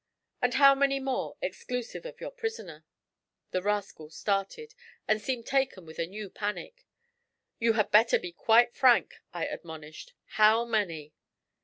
'And how many more, exclusive of your prisoner?' The rascal started, and seemed taken with a new panic. 'You had better be quite frank,' I admonished. 'How many?'